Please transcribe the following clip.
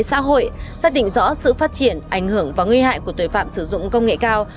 xã hội xác định rõ sự phát triển ảnh hưởng và nguy hại của tội phạm sử dụng công nghệ cao